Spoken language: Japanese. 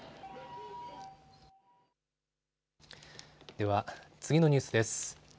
では、次のニュースです。